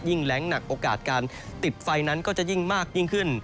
แรงหนักโอกาสการติดไฟนั้นก็จะยิ่งมากยิ่งขึ้น